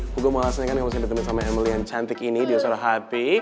gue mau alasannya kan gak usah ditemui sama emily yang cantik ini di suara hati